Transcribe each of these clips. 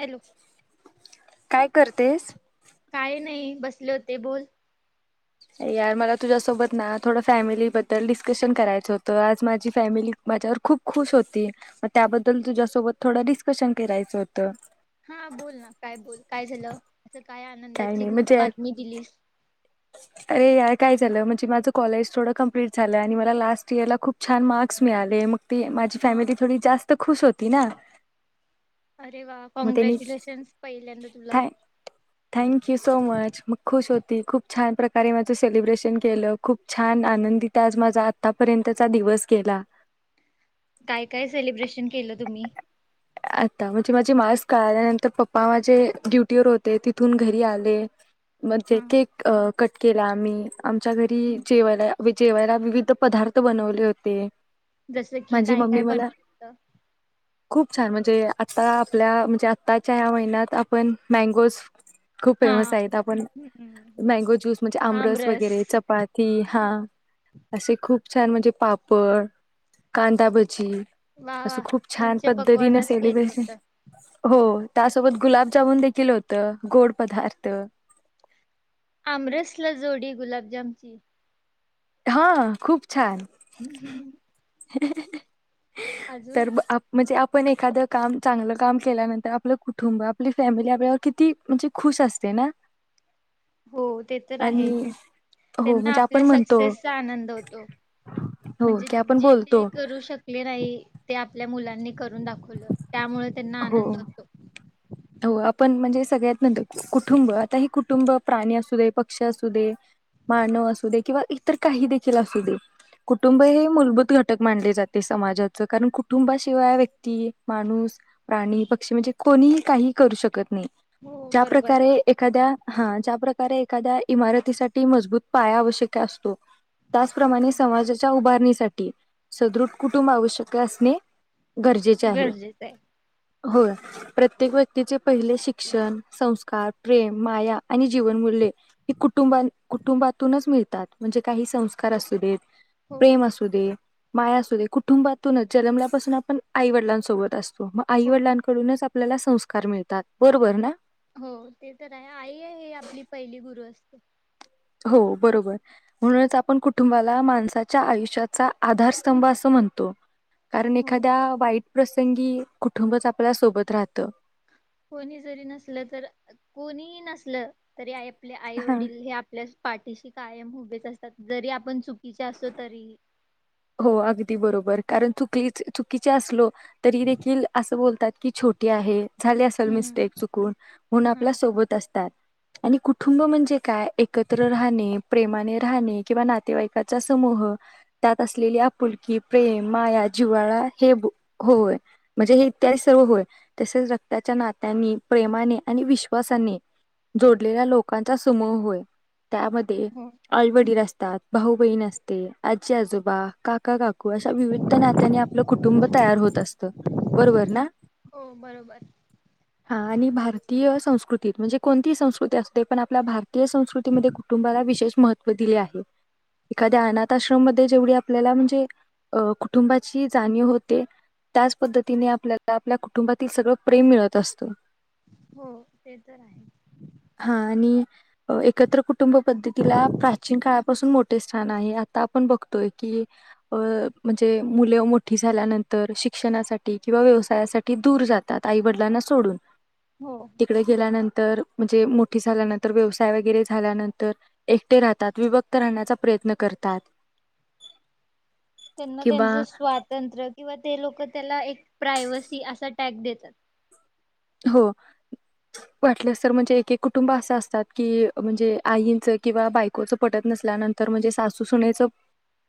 Hello काय करतेस काय नाही बसले होते बोल यार मला तुझ्यासोबत ना थोड फॅमिलीबद्दल डिस्कशन करायचं होतं आज माझी फॅमिली माझ्यावर खूप खुश होती मग त्याबद्दल तुझ्यासोबत थोडं डिस्कशन करायचं होतं हा बोल ना काय बोल काय झालं काय आनंदाची बातमी दिलीस अर यार काय झालं म्हणजे माझं कॉलेज थोडं कंप्लीट झालं आणि मला लास्ट इयर ला खूप छान मार्क्स मिळाले मग ती माझी हा फॅमिली थोडी जास्त खुश होती ना अरे वा मग त्यांनी कॉँग्रॅच्युलेशन्स पहिल्यांदा तुला थँक यू सो मच मग खुश होते तेी खूप छान प्रकारे माझं सेलिब्रेशन केलं खूप छान आनंदित आज माझा आतापर्यंतचा दिवस गेला. काय काय सेलिब्रेशन केलं तुम्ही आता म्हणजे माझे मास्क काळाल्यानंतर पप्पा माझे ड्युटीवर होते तिथून घरी आले मग ज हा अ कट केला आम्ही आमच्या घरी हा. जेवायला जेवायला विविध पदार्थ बनवले होते. जसं कि माझी काय मम्मी काय मला बनवत. खूप छान म्हणजे आता आपल्या म्हणजे आत्ताच्या या महिन्यात आपण मँगोज खूप हा फेमस आहेत आपण हम्म. मँगो ज्यूस म्हणजे आमरस वगैरे चपाती हा असे खूप छान म्हणजे पापड कांदाभजी वा अस वा खूप छान पद्धतीने पंचपक्वानच केलं सेलब्रेशन होतं हो. त्यासोबत गुलाबजामन देखील होतं गोड पदार्थ आमरस ला जोडी गुलाबजामची हा खूप. हम्म हम् ह्. ह. तर आप म्हणजे आप पण एखादं काम चांगलं काम केल्यानंतर आपलं कुटुंब आपली फॅमिली आपल्यावर किती म्हणजे खुश असते ना. हो ते तर आहे आणि हो त्यांना म्हणजे आपण आपल्या म्हणतो. सक्सेसचा आनंद होतो हो म्हणजे की आपण जे बोलतो ते करू शकले नाही ते आपल्या मुलां करून दाखवलं. त्यामुळे त्यांना हो आनंद होतो. हो आपण म्हणजे सगळ्यात न कुटुंब आता हे कुटुंब कुटुंब प्राणी असू दे पक्षी असू दे, मानव असू दे, किंवा इतर काही देखील असू दे कुटुंब हे मूलभूत घटक मानले जाते समाजाच कारण कुटुंबाशिवाय व्यक्ती माणूस प्राणी, पक्षी म्हणजे कोणीही काही करू शकत नाही. हो ज्या बरोबर आहे. प्रकारे एखाद्या हा ज्या प्रकार कार एखाद्या इमारतीसाठी मजबूत पाया आवश्यक असतो त्याचप्रमाणे समाजाच्या उभारणीसाठी सदृढ कुटुंब आवश्यक असणे. गरजेचे आहे. गरजेचं आहे. होय प्रत्येक व्यक्तीचे पहिले शिक्षण, संस्कार, प्रेम, माया आणि जीवनमूल्ये हे कुटुंब कुटुंबातूनच मिळते. मिळतात म्हणजे काही संस्कार असू देत. प्रेम हो. असू दे. माया असू दे कुटुंबातूनच जन्मल्यापासून आपण आई वडिलांसोबत असतो. आई हो वडिलांकडूनच आपल्याला संस्कार मिळतात बरोबर ना. हो ते तर आहे आई हे आपली पहिली गुरु असते. ह. हो बरोबर म्हणूनच आपण कुटुंबाला माणसाच्या आयुष्याचा आधारस्तंभ असं म्हणतो कारण हो. एखाद्या वाईट प्रसंगी कुटुंबच आपल्या सोबत राहत कोणी जरी नसल तर कोणीही नसल तरी आपले आई हा वडील हे आपल्या पाठीशी कायम हभेच असतात जरी आपण च चुकीचे असलो तरीही हो अगदी बरोबर कारण चुक चुकीचे असलो तरी देखील अस बोलतात की छोटी आहे झाले असल मिस्टेक हम्म. चुकून म्हणून हा आपल्या सोबत असतात आणि कुटुंब म्हणजे काय एकत्र राहणे प्रेमाने राहणे किंवा नातेवाईकाचा समूह त्यात असलेली आपुलकी, प्रेम, माया, जिवाळा हे होय म्हणजे हे इत्यादी सर्व होय तसेच रक्ताच्या नात्यांनी प्रेमाने आणि विश्वासाने जोडलेल्या लोकांचा समूह होय. त्यामध्ये हो. आई वडील असतात. भाऊ बहीण असते आजी आजो बा का काका काकू असा विविध नात्याने आपलं कुटुंब तयार होत असत बरोबर ना हो बरोबर. आणि भारतीय संस्कृतीत म्हणजे कोणतीही संस्कृती असते पण आपल्या भारतीय संस्कृतीमध्ये कुटुंबाला विशेष महत्व दिले आहे एखाद्या अनाथ आश्रममध्येध्ये जेवढी आपल्याला म्हणजे अ कुटुंबाची जाणीव होते त्याच पद्धतीने आपल्याला आपल्या कुटुंबातील सगळं प्रेम मिळत असत. हो ते तर आहे. हा आणि एकत्र कुटुंब पद्धतीला प्राचीन काळापासून मोठेस छान आहे आता आपण बघतोय कि अ म्हणजे मुलं मोठी झाल्यानंतर शिक्षणासाठी किंवा व्यवसायासाठी दूर जातात आई वडिलांना सोडून हो. तिकडे गेल्यानंत तर म्हणजे मोठी झाल्यानंतर व्यवसाय वगैरे झाल्यानंतर एकटे राहतात विभक्त राहण्याचा प्रयत्न करतात. त्यांना किंवा त्यांचं स्वातंत्र्य किंवा ते लोक त्याला एक प्रायवसी असा टॅक् देतात. हो वाटलंच तर म्हणजे एक एक कुटुंब असं असतात कि म्हणजे आईंचं किंवा बायकोचं पटत नसल्यानंतर म्हणजे सासूसनेचं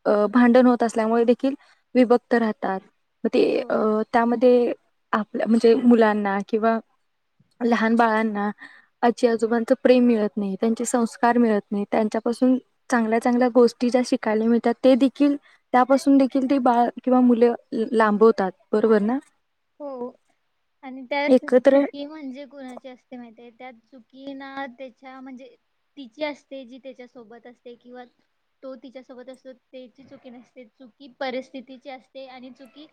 अ भांडण होत असल्यामुळे देखील विभक्त राहतात. मग ते हो त्यामध्ये ते आपल्या म्हणजे मुलांना किंवा लहान बाळांना आजी आजोबांच प्रेम मिळत नाही त्यांचे किंवा लहान बाळांना आजी आजोबांचं प्रेम मिळत नाही त्यांचे संस्कार मिळत नाही त्यांच्यापासून चांगल्या चांगल्या गोष्टी ज्या शिकायला मिळतात ते देखील त्यापासून देखील ते बाळ किंवा मुलं लांबवतात बरोबर ना? हो आणि त्यात एकत्र चुकी म्हणजे कुणाची असते माहितीे त्यात चुकी ना त्याच्या म्हणजे तिची असते जी त्याच्या सोबत असते किंवा तो तिच्या सोबत असतो त्याची चुकी नसते चुकी परिस्थितीची असते आणि चुकी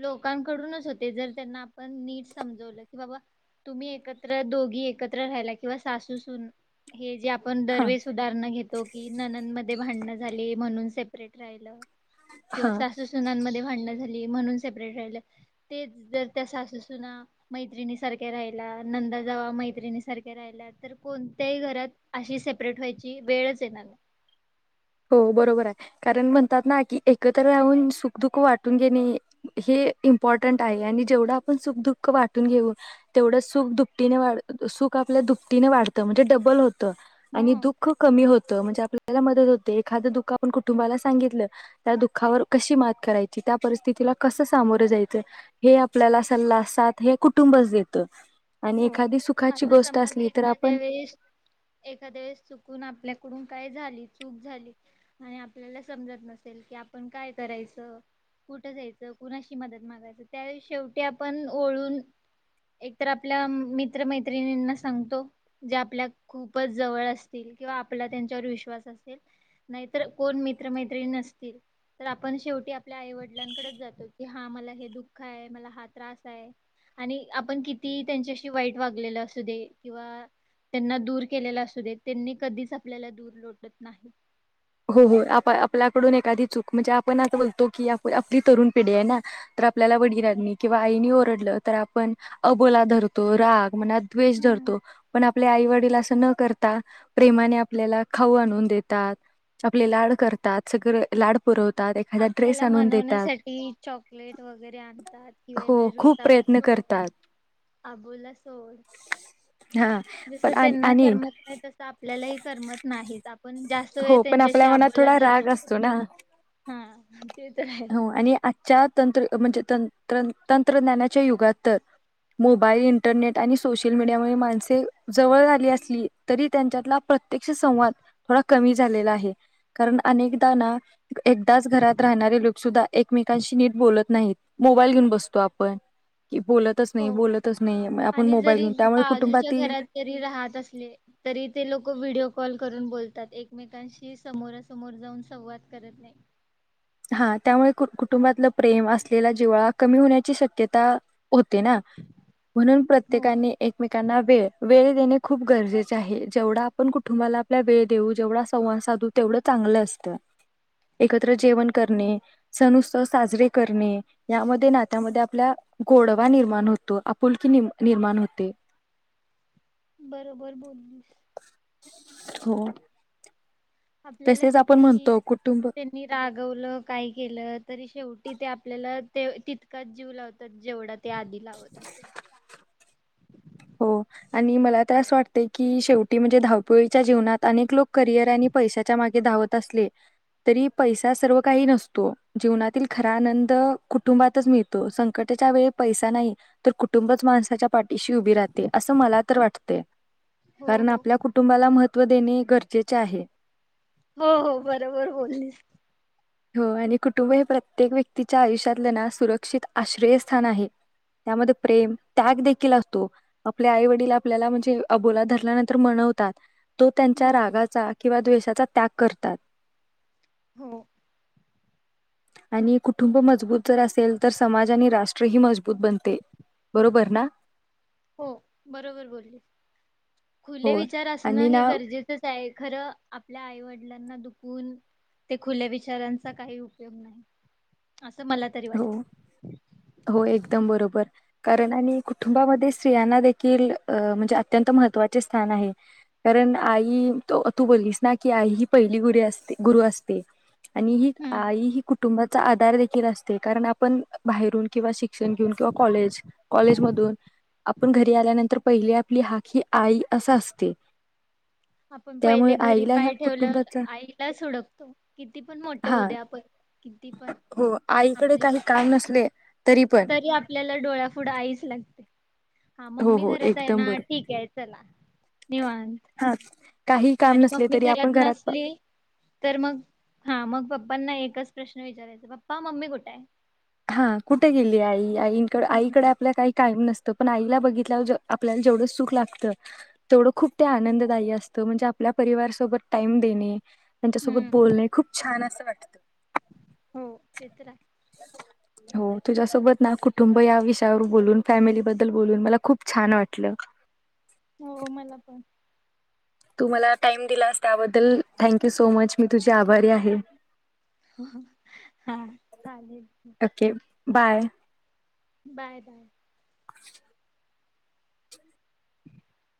लोकांकडूनच होते. जर त्यांना आपण नीट समजवलं कि बाबा तुम्ही एकत्र दोघी एकत्र रा राह्यला किंवा सासू-सुन हे जे आप पण हा दरवेळेस उदाहरण घेतो की नंणद मध्ये भांडण झाली म्हणून सेपरेट राहिलं. किंवा हा सासू सुणांमध्ये भांडण झाली म्हणून सेपरेट राहिलं. तेच जर त्या सासूसुना मैत्रिणी सारख्या राहिला नंदा जावा मैत्रिणी सारख्या राहिला तर कोणत्याही घरात अशी सेपरेट व्हायची वेळच येणार नाही. हो बरोबर आहे कारण म्हणतात ना की एकत्र राहून सुखदुःख वाटून घेणे हे हे इम्पॉर्टंट आहे आणि जेवढा आपण सुखदुःख वाटून घेऊ तेवढं सुख दुपटीने सुख आपल्या दुपटीने वाढतं म्हणजे डबल होतं. त आणि हो दुःख कमी होत. तो म्हणजे आपल्याला मदत होत ते एखादं दुःख आपण कुटुंबाला सांगितलं. त्या दुःखावर कशी मात करायची त्या परिस्थितीला कसं सामोरं जायचं हे आपल्याला सल्ला साथ हे कुटुंबच देत. हो आता समज एखाद्या आपण वेळेस एखाद्या वेळेस चुकून आपल्याकडून काय झाली चूक झाली आणि आपल्याला समजत नसेल की आपण काय करायचं कुठ जायचं कुणाशी मदत मागायच त्या शेवटी आपण ओळून एक तर आप आपल्या मित्र-मैत्रिणींना सांगतो ज्या आपल्या खूपच जवळ असतील किंवा आपला त्यांच्यावर विश्वास असेल नाहीतर कोण मित्र-मैत्रिणी नसतील तर आपण शेवटी आपल्या आई-वडिलांकडच की हा मला हे दुःख य मला हा त्रास हाय आणि आपण किती ती त्यांच्याशी वाईट वागलेल असू दे किंवा त्यांना दूर केलेला असू दे त्यांनी कधीच आपल्याला दूर लोटत नाही. हो हो आप आपल्याकडून एखादी चूक मजे आपण आता बोलतो की आप आपली तरुण पिढी आहे ना तर आपल्याला वडिलांनी किंवा आईने ओरडलं तर आपण अबोला धरतो राग मनात द्वेष हम्म धरतो पण आपले आई वडील असं न करता प्रेमाने आपल्याला खाऊ आणून देतात आपले लाड करतात सगळं लाड पुरव आपल्याला मनवण्यासाठी चॉकलेट वगैरे आणतात कि हो बाई खूप रुसावा प्रयत्न सोड करतात आबोला सोड हा जस पण आण- त्यांना आणि करमत नाही तस आपल्यालाही करमत नाहीच आपण जास्त वेळ हो पण त्यांच्याशी आपल्या मनात आबोला थोडा धरू राग शकतो. असतो ना. हा ते तर आहे. हो आणि आजच्या तंत्र म्हणजे तं तं तंत्रज्ञानाच्या युगात तर मोबाईल इंटरनेट आणि सोशल मीडिया मुळे माणसे जवळ आली असली तरी त्यांच्यातला प्रत्यक्ष संवाद थोडा कमी झालेला आहे कारण अनेकदा ना एकदाच घरात राहणारे लोक सुद्धा एकमेकांशी नीट बोलत नाहीत मोबाईल घेऊन बसतो आपण. की बोलतच हो नाही बोलतच नाही मग आपण आणि मोबाईल जरी घेऊन त्यामुळे बाजूच्या कुटुंबातील घरातरी राहत असले तरी ते लोक व्हिडिओ कॉल करून बोलतात एकमेकांशी समोरासमोर जाऊन संवाद करत नाही. हा त्यामुळे कु कुटुंबातलं प्रेम असलेला जिवळा कमी होण्याची शक्यता होते ना. म्हणून हो. प्रत्येकाने एकमेकांना वे वेळ देणे खूप गरजेचे आहे. जेवढा आपण कुटुंबाला आपल्या वेळ देऊ जेवढा संवाद साधू तेवढं चांगलं असत. एकत्र जेवन हो करणे सणु साजरे करणे यामध्ये नात्यामध्ये आपल्या गोडवा निर्माण होतो. आपुलकी निर्माण होते. बरोबर बोललीस. हो. आपल्याला तसेच आपण किती म्हणतो कुटुंब त्यांनी रागवलं काय केलं तरी शेवटी ते आपल्याला ते तितकाच जीव लावतात जेवढा त्या आधी लावत होते. हो आणि मला तर असं वाटते की, शेवटी म्हणजे धावपिळीच्या जीवनात अनेक लोक करिअर आणि पैशाच्या माग धावत असले तरी पैसा सर्व काही नसतो. जीवनातील खरा आनंद कुटुंबातच मिळतो. संकटच्या वेळी पैसा नाही तर कुटुंबच माणसाच्या पाठीशी उभी राहते. असं मला तर वाटते. हो कारण हो आपल्या कुटुंबाला महत्व महत्व देणे गरजेचे आहे. हो हो बरोबर बोलीस. हो आणि कुटुंब हे प्रत्येक व्यक्तीच्या आयुष्यातलं ना सुरक्षित आश्रयस्थान आहे त्यामध्ये प्रेम त्याग देखील असतो. आपले आई वडील आपल्याला म्हणजे अबोला धरल्यानंतर मनवतात. तो हो त्यांच्या रागाचा किंवा द्वेषाचा - - त्याग करतात. हो. आणि कुटुंब मजबूत जर असेल तर समाज आणि राष्ट्र ही मजबूत बनते. बरोबर ना? हो. बरोबर बोली. खुले हो विचार असणं आणि हे ना गरजेचंच आहे खरं आपल्या आईवड - मुलांना दुखून ते खुले विचारांचा काही उपयोग नाही. असं मला तरी हो वाटतं हो. एकदम बरोबर. कारण आणि कुटुंबामध्ये स्त्रियांना देखील अ म्हणजे अत्यंत महत्त्वाचे स्थान आहे कारण आई तू बोललीस ना की आई ही पहिली गुरी असते गुरु असते. आणि ही हम्म आई ही कुठ कुटुंबाचा आधार देखील असत. कारण आपण बाहेरून किंवा शिक्षण घेऊन किंवा कॉले कॉलेज मधून आपण घरी आल्यानंतर पहिली आपली हाक ही आई अस असते. आपण पहिले त्यामुळे घरी आईला ह्या पाय ठेवल्यावर कुटुंबाचा आईलाच हुडकतो किती पण मोठ होऊ हा दे आपण. ती पण हो आईकडे आपली काही काम नसले पण तरी आपल्याला डोळ्याफुढं आईच लागते. हा हो मम्मी हो घरात आहे एकदम ना बरोबर ठीक आहे चला निवांत. हा काही काम आणि नसले मम्मी तरी आपण घरात नसली तर मग हा मग प - - पपांना एकच प्रश्न विचारायच पप्पा मम्मी कुठं हाय? हां. कुठं गेलीया आई? आईंनकडे आहे आईकडे आपल्या काही कायम नस् - - तो पण आईला बघितल्यावर जे आपल्याला जेवढं सुख लागतं तेवढं खूप ते आनंददायी असतं म्हणजे आपल्या परिवारसोबत टाइम देणे, त्यांच्यासोबत हम्म बोलणे. खूप छान - - असं वाटतं. हो ते तर आहे. हो तुझ्यासोबत ना कुटुंब या विषयावर बोलून फॅमिलीबद्दल बोलून मला खूप छान वाटलं. हो मला पण. तु मला टाइम दिलास त्याबद्दल थँंक्यू सो मच मी तुझी आभारी आहे. हां चालेल. Okay bye. Bye bye. [inaudible]